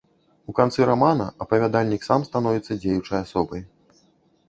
У канцы рамана апавядальнік сам становіцца дзеючай асобай.